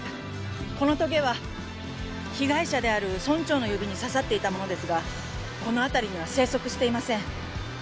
このトゲは被害者である村長の指に刺さっていたものですがこの辺りには生息していません。